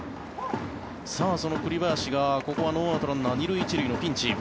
その栗林が、ここはノーアウトランナー２塁１塁のピンチ。